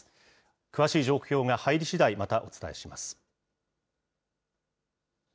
詳しい情報が入りしだい、またお伝えします。